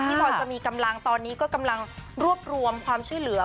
พลอยจะมีกำลังตอนนี้ก็กำลังรวบรวมความช่วยเหลือ